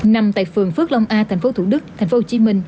nằm tại phường phước long a tp thủ đức tp hcm